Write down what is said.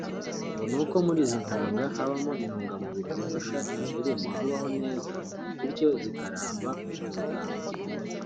ngo ni uko muri izi ntanga habamo intungamubiri zifasha iyi virus kubaho neza bityo zikaramba mu ntanga